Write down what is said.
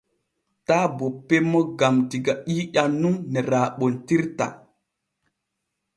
Taa bonpen mo gam diga ƴiiƴan nun ne raaɓontirta.